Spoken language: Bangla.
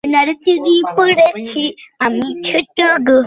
পুলিশ গতকাল মঙ্গলবার ভোরে পাঁচ দিনের রিমান্ড চেয়ে তাঁকে আদালতে পাঠায়।